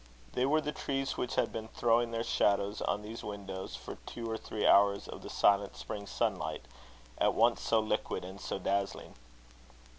They were the trees which had been throwing their shadows on these windows for two or three hours of the silent spring sunlight, at once so liquid and so dazzling.